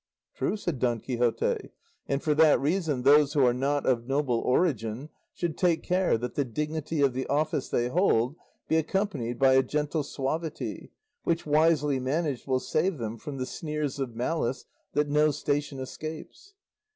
"True," said Don Quixote, "and for that reason those who are not of noble origin should take care that the dignity of the office they hold be accompanied by a gentle suavity, which wisely managed will save them from the sneers of malice that no station escapes.